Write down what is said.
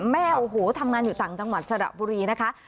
แม่โอ้โหทำงานอยู่ต่างจังหวัดสระบุรีนะคะ